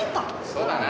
そうだな。